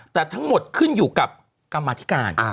แต่ทั้งหมดขึ้นอยู่กับกรรมธิการ